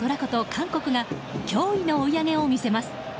韓国が驚異の追い上げを見せます。